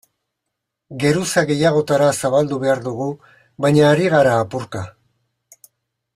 Geruza gehiagotara zabaldu behar dugu, baina ari gara apurka.